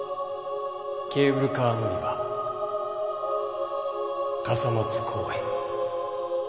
ケーブルカー乗り場傘松公園。